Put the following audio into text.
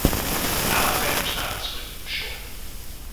Alexander's time at Swindon was short.